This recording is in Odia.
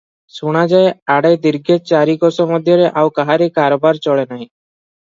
ଶୁଣାଯାଏ, ଆଡ଼େ ଦୀର୍ଘେ ଚାରି କୋଶ ମଧ୍ୟରେ ଆଉ କାହାରି କାରବାର ଚଳେନାହିଁ ।